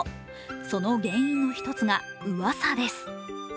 その原因の一つがうわさです。